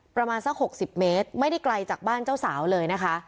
ประมาณสัก๖๐เมตรไม่ได้ไกลจากบ้านเจ้าสาวเลยนะคะ